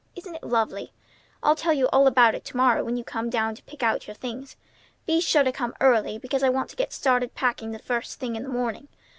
Isn't it lovely? I'll tell you all about it to morrow when you come down to pick out your things. Be sure to come early, because I want to get started packing the first thing in the morning. Mr.